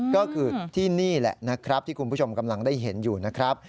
ก็คือที่นี่แหละนะครับที่คุณผู้ชมกำลังได้เห็นอยู่นะครับ